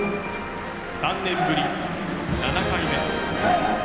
３年ぶり７回目。